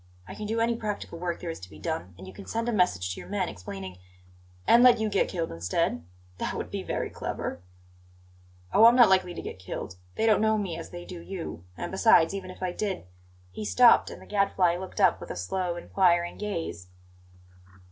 I can do any practical work there is to be done, and you can send a message to your men, explaining " "And let you get killed instead? That would be very clever." "Oh, I'm not likely to get killed! They don't know me as they do you. And, besides, even if I did " He stopped, and the Gadfly looked up with a slow, inquiring gaze.